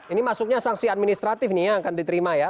ini masuknya sanksi administratif nih yang akan diterima ya